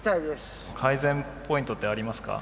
改善ポイントってありますか？